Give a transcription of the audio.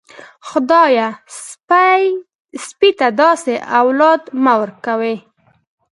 خدايه سپي ته داسې اولاد مه ورکوې.